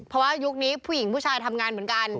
เพราะว่ายุคนี้ผู้หญิงผู้ชายทำงานเหมือนกัน